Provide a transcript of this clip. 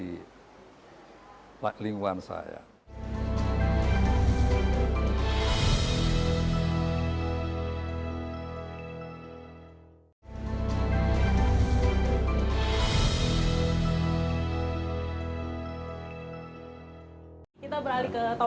yang paling penting untuk kita membangun kekuatan spsdk di lingkungan saya